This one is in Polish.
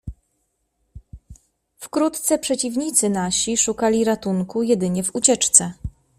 "Wkrótce przeciwnicy nasi szukali ratunku jedynie w ucieczce."